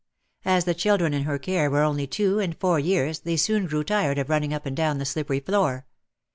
As the children in her care were only two and four years they soon grew tired of running up and down the slippery floor.